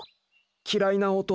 嫌いな音。